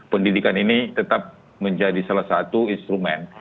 pendidikan ini tetap menjadi salah satu instrumen